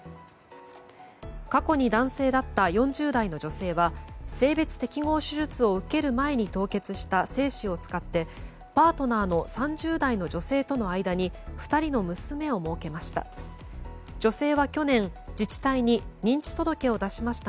過去に男性だった４０代の女性は性別適合手術を受ける前に凍結した精子を使ってパートナーの３０代の女性との間に２人の娘をもうけました。